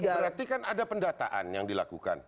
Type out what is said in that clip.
berarti kan ada pendataan yang dilakukan